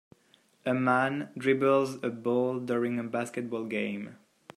A man dribbles a ball during a basketball game.